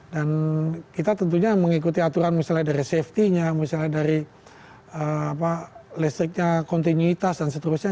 dan kita tentunya mengikuti aturan misalnya dari safety nya misalnya dari listriknya kontinuitas dan seterusnya